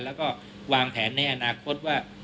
แล้วก็วางแผนในอนาคตว่า